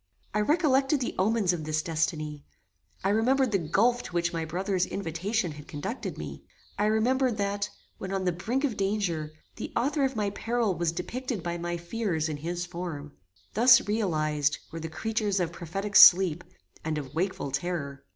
I recollected the omens of this destiny; I remembered the gulf to which my brother's invitation had conducted me; I remembered that, when on the brink of danger, the author of my peril was depicted by my fears in his form: Thus realized, were the creatures of prophetic sleep, and of wakeful terror!